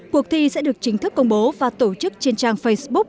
cuộc thi sẽ được chính thức công bố và tổ chức trên trang facebook